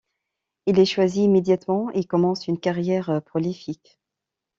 Il est choisi immédiatement et commence une carrière prolifique.